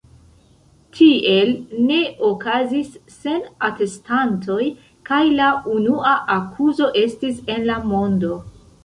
Tiel ne okazis sen atestantoj kaj la unua akuzo estis en la mondo.